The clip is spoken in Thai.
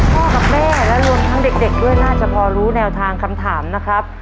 พ่อกับแม่และรวมทั้งเด็กด้วยน่าจะพอรู้แนวทางคำถามนะครับ